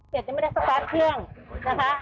เศรษฐ์ไม่ได้สกัดเครื่องนะคะ